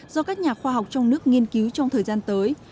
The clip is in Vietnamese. do các nhà khoa học trong nước nghiên cứu trong thời gian tới